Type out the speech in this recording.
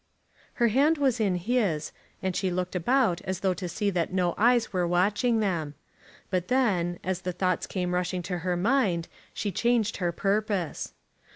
Her hand was in his, and she looked about as though to see that no eyes were watching them. But then, as the thoughts came rushing to her mind, she changed her purpose.